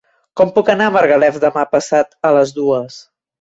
Com puc anar a Margalef demà passat a les dues?